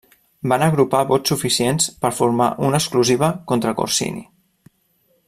Van agrupar vots suficients per formar una exclusiva contra Corsini.